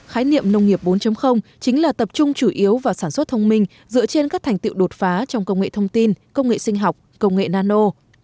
khái niệm nông nghiệp bốn chính là tập trung chủ yếu vào sản xuất thông minh dựa trên các thành tựu đột phá trong công nghệ thông tin công nghệ sinh học công nghệ nano